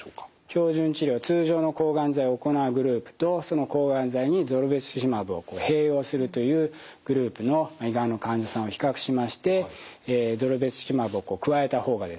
標準治療通常の抗がん剤を行うグループとその抗がん剤にゾルベツキシマブを併用するというグループの胃がんの患者さんを比較しましてゾルベツキシマブを加えた方がですね